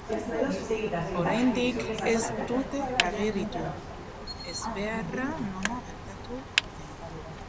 Oraindik ez dute argitu ezbeharra nola gertatu den.